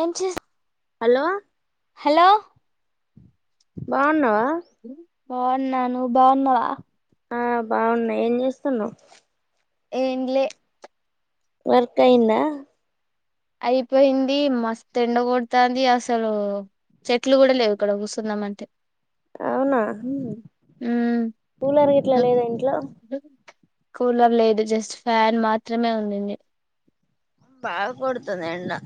ఏం చేస్ hello hello బాన్నావా బాన్నాను నువ్ బాన్నవా ఆ బావున్నా ఏంజేస్తున్నావ్ ఏంలే వర్క్ అయ్యిందా అయిపోయింది మస్తు ఎండకొడతాంది అసలు చెట్లు గూడా లేవు ఇక్కడ కూసుందాం అంటే అవునా పూలర్ గిట్లా లేదా ఇంట్లో కూలర్ లేదు జస్ట్ ఫ్యాన్ మాత్రమే ఉందింది పావు కొడతుంది ఎండా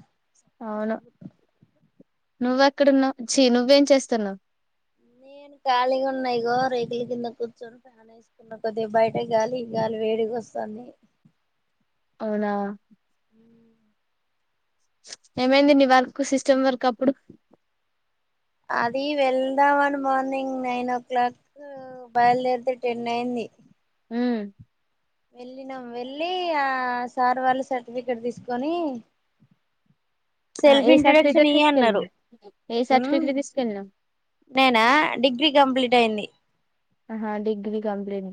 నువ్వ అక్కడున్నావ్ ఛీ నువ్వేం చేస్తన్నావ్ నేను ఖాళీగా ఉన్నాయి ఇగో రేగుల కింద కూర్చొని ఫ్యాన్ ఏసుకున్నా కొద్దిగ బయట గాలి గాలి వేడిగొస్తాంది. అవునా ఏమైంది నీ వర్కు సిస్టమ్ వర్కు అప్పుడు అది వెళ్దామని మార్నింగ్ నైన్ ఓ క్లాక్ బయలుదేరితే టెన్ అయింది ఊ వెళ్ళినాం వెళ్ళి ఆ సార్ వాళ్ళు సర్టిఫికెట్ తీసుకొని ఆ సెల్ఫ్ ఏ ఇంట్రొడక్షన్ సర్టిఫికెట్ ఈ అన్నారు తీసుకెళ్ళినవ్ ఏ ఉమ్ సర్టిఫికెట్ తీసుకెళ్ళినవ్ నేనా డిగ్రీ కంప్లీట్ అయింది ఆహా డిగ్రీ కంప్లీన్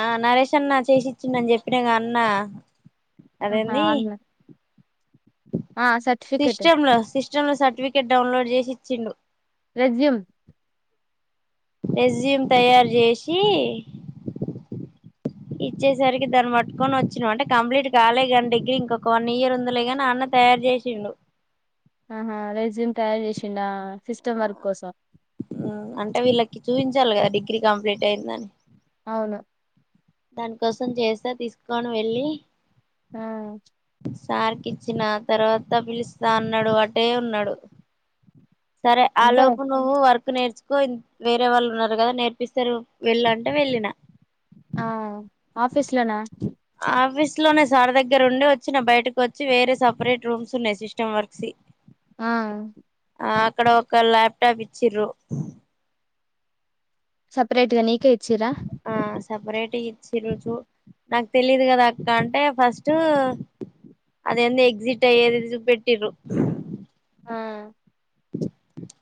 ఆ నరేేశ్ అన్న చేసిచ్చిండని చె ప్పినగ అన్న ఆహా అదేంది అన్న ఆ సర్టిఫికెట్ చంలో సర్టిఫికేట్ డౌన్లోడ్ చేసి ఇచ్చిండు రెజ్యూమ్ రెజ్యూమ్ తయారు చేసి ఇచ్చేసరికి దాన్ని పట్టుకొని వచ్చినాం అంటే కంప్లీట్ కాలే కాని డిగ్రీ ఇంకొక వన్ ఇయర్ ఉందిలే కాని అన్న తయారు చేసిండు ఆహా రైజూమ్ తయారు చేసిండా సిస్టమ్ వర్క్ కోసం ఊ అంటే వీళ్ళకి చూయించాలి గా డిగ్రీ కంప్లీట్ అయ్యిందని అవునా దాని కోసం చేస్తా తీసుకోని వెళ్ళి ఆ సార్కి ఇచ్చిన తర్వాత పిలుస్తా అన్నాడు అటే ఉన్నాడు సరే ఆ అంటే లోపు నువ్వు వర్క్ నేర్చుకోయిం వేరే వాళ్ళు ఉన్నారు కదా నేర్పిస్తారు వెళ్ళు అంటే వెళ్ళిన ఆ ఆఫీస్ లోనా ఆఫీస్ లోనే సార్ దగ్గర ఉండి వచ్చి నా బయటకు వచ్చి వేరే సపరేట్ రూమ్స్ ఉన్నాయి సిస్టమ్ వర్క్స్ ఆ ఆ అక్కడ ఒక ల్యాప్టాప్ ఇచ్చిరు సపరేట్ గా నీకే చిరా ఆ సపరేట్ ఇచ్చిరు చూ నాకు తెలియదు కదా అక్క అంటే ఫస్ట్ అదేంది ఎగ్జిట్ అయ్యేది చూపెట్టిరు ఆ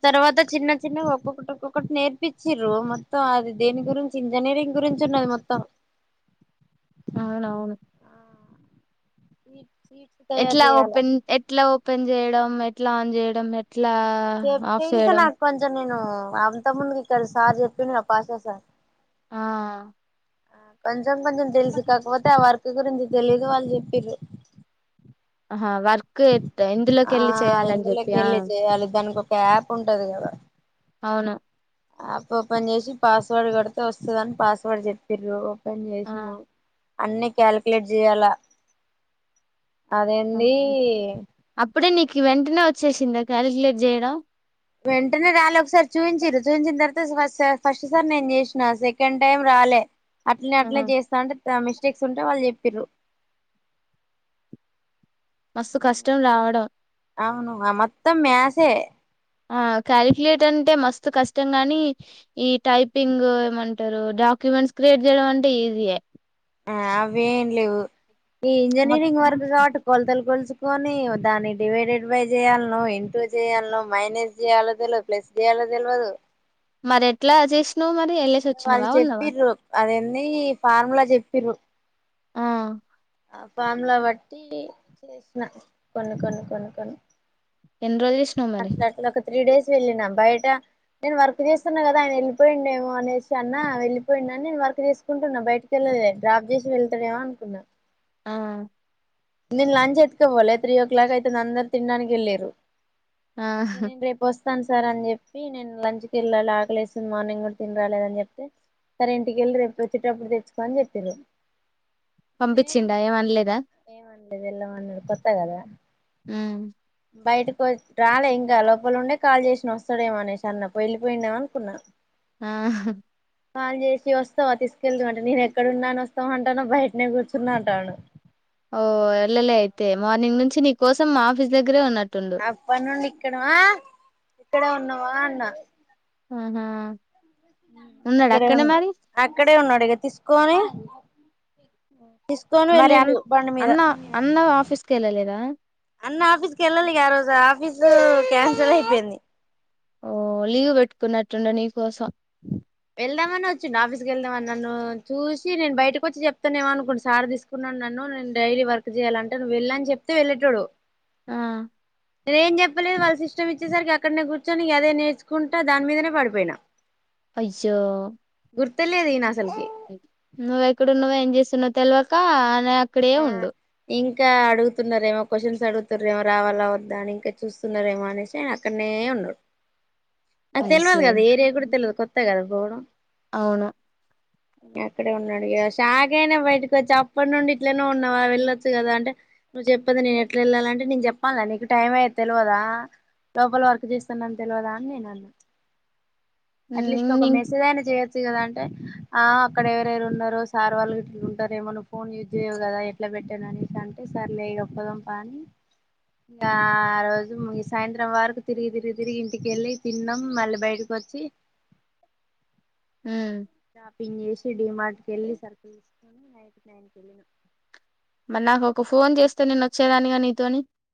తర్వాత చిన్న చిన్నగా ఒక్కొక్కటి ఒక్కొక్కటి నేర్పించిరూ మొత్తం అది దేని గురించి ఇంజనీరింగ్ గురించి ఉన్నది మొత్తం అవున అవును ఇ ఎట్లా ఓపెన్ ఎట్లా ఓప్ పన్ చేయడం ఎట్లా ఆన్ చేయడం ఎట్లా చెప్ ఆఫ్ తెల్సా చేయడం నాకుంచాను నేను అంత ముందు ఇక్కడ సార్ చెప్పిండ పాససార్ ఆ కోన్ కొంచెం కొంచెం తెలిసి కాకపోతే అ వర్క్ గురించి తెలీదు వాళ్ళు చెప్పారు ఆహ వర్క్ ఇందులోకి ఆ వెళ్ళి చేయాలని ఇందులోకి చెప్పియా వెళ్ళి చేయాలి దానికి ఒక యాప్ ఉంటది కదా అవును యాప్ ఓపన్ చేసి పాస్వర్డ్ కోడితే వస్తుందని పాస్వర్డ్ చెప్పిండ్రు పని ఆ చేేసిన అన్ని క్యాలిక్యులేట్ చేయాలా అదే ఆ డీ అప్పుడే నీకు వెంటనే వచ్చేసిందా కాలిక్యులేట్ చేయడం వెంటనే రాలి ఒకసారి చూయిించరు చూపించిన తర్వాత ఫ ఫస్ట్ సార్ నేను చేసిన సెకండ్ టైం రాలే అట్లనే ఆ అట్నే చేస్తాంటే ఇ మిస్టేక్స్ ఉంటే వాళ్ళు చెప్పి్రు మస్తు కష్టం రావడం అవును మొత్తం మసే ఆ కాలిక్యులేట్ర్ అంటే మస్తు కష్టం ని ఈ టైపింగ్ ఏమంటారు డాక్యుమెంట్స్ క్రియేట్ చేయడం అంటే ఈజీయ ఆ అవ ఏం లేవు ఈ ఇంజనీరింగ్ వరకు కాబట్టి కొలతలు కొల్సు కని దాన్ని డివైడెడ్ బై చేయాలలను ఇంటూ చేయాలను మైనస్ చేయయాలో తెలియదు ప్లస్ చేయాలో తెలియదు మరి ఎట్లా చేసినవు మరి వెళ్ళేసి వాళ్ళు వచ్చినవా ఉన్నావా చెప్పి్ర అద ఎ అీ ఫార్ములా జెపీన్ డ్రూ ఆ ఆ ఫామ్ లో బట్టి చేసిన కొన్ని కొన్ని కొన్ని కొన్ని ఎన్ రోజులు జేసినావు మరి అట్లా అట్లా ఒక త్రీ డేస్ వెళ్ళిన బయట నేను వర్క్ చేస్తున్నా కదా ఆయన వెళ్ళిపోయిండేమో అనేసి అన్నా వెళ్ళిపోయి ఉండు అని నేను వర్క్ చేసుకుంటున్నా బయటకి వెళ్ళలే డ్రాప్ చేసి వెళ్తాడేమో అనుకున్నాను ఆ నేను లంచ్ ఎత్తుకోఓలే త్రీ ఓ క్లాక్ అయితే అందరూ తిన్ డానికి వెళ్ళారు ఆ నేన్ రే పోస్ వస్తాను సార్ అని చెప్పి నేను ఇంటికి వెళ్ళాలి ఆకలేస్తుంది మార్నింగ్ కూడా తిని రాలేదని చెప్తే సరే ఇంటికెళ్ళి రేపు వచ్చేటప్పుడు తెచ్చుకోని చెప్పిఉన్ డ్రూ పంపించిండా ఏమఅన్ లేదా ఏళ్లమన్నాడు కొత్త గదా ఉమ్ బయటకు వ రాలే ఇంకా లోపల ఉండే కాల్ చేసి వస్తాడేమోఅనేసి అన్న వెళ్ళిపోయిండేమో అనుకున్నా ఆ కాల్ చేసి వస్తావా తీసుకెళ్దు అంటే నేను ఎక్కడన్నాని వస్తావు అంటనవ్ బయటనే కూర్చున్నా అంటాఉండు ఓ వెళ్ళలే అయితే మార్నింగ్ నుంచి నీ కోసం మా ఆఫీస్ దగ్గరే ఉన్నట్ అప్పటి నుండి ఇక్కడ మా ఇక్కడే ఉన్నా వా అన్నా ఆహా ఉన్నాడా ఇక్కడే అక్కడే ఉన్నా మరి అక్కడే ఉన్నాడు ఇక తీసుకొని [inaudible] తీసుకొని మరి అన్ వెళ్ళిండు బండి మీద అన్న అన్న ఆఫీస్కి వెళ్ళలేదా అన్న ఆఫీస్కి వెళ్ళాలి ఆ రోజు ఆఫీసు క్యాన్సల్ అయిపోయింది ఓ లీవ్ పెట్టుకున్నట్టుండు నీకోసం వెళ్దామనే వచ్చిండు ఆఫీస్కి వెళ్దామని నన్ను చూసి నేను బయటకు వచ్చి చెప్తనేమో అనుకుండు సార్ తీసుకున్నడు నన్ను నేను డైలీ వర్క్ చేయాలంట నువ్వు వెళ్లు అని చెప్తే వెళ్ళేటోడు ఆ నేను ఏం చెప్పలేదు వాళ్ళు సిస్టం ఇచ్చేసరికి అక్కనే కూర్చొని ఇగ అదే నేర్చుకుంటా దాని మీదనే పడిపోయినా అయ్యో గుర్తే లేదు ఈనసలు నువ్వెక్కడున్నవో ఏం చేస్తున్నవో తెలవక అలా అక్కడే ఆ ఉండు ఇంకా అడుగుతున్నరేమో క్వశ్చన్స్ అడుగుతుర్రెమో రావాలా వద్దా అని ఇంకా చూస్తున్నరేమో అనేసి ఆయన అక్కనే ఉంన్రూ అది తెలివదు అయ్యో కదా ఏరియా కూడా తెలువదు కొత్త కదా ఘోరం అవును అక్కడే ఉన్నడు ఇగ షాకైనా బయటకు వచ్చి అప్పటి నుండి ఇట్లనే ఉన్నవా వెళ్ళొచ్చు కదా అంటే నువ్వు చెప్పంది నేను ఎట్లా వెళ్ళాలంటే నేను చెప్పాల్న నీకు టైం అయేది తెలవదా లోపల వర్క్ చేస్తున్న అని తెలవదా అని నేను అన్న అట్లీస్ట్ ఒక ఉమ్ మెసేజ్ అయినా జేయ కదా అంటే ఆ అక్కడ ఎవరెవరు ఉన్నరో సార్ వాళ్ళు ఉంటారేమో నువ్వు ఫోన్ చేయవు కదా ఎట్లా పెట్టను అంటే సర్లే ఇగ పోదాం పా అని ఇంకా ఆ రోజు సాయంత్రం వరకు తిరిగి తిరిగి తిరిగి ఇంటికెళ్ళి తిన్నాం మళ్ళీ బయటకి వచ్చి ఉ షాపింగ్ చేసి డిమార్ట్కి వెళ్ళి సరుకులు తీసుకొని నైట్ నైన్ కి వెళ్ళినం. మళ్ళీ నాకు ఒక ఫోన్ చేస్తే నేను వచ్చేదాన్నిగా నీతోని